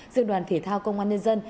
dương đoàn thế thao công an nhân dân